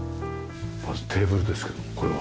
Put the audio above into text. まずテーブルですけどもこれは？